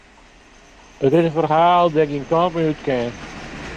It is in ferhaal dêr't ik gjin kant mei út kin.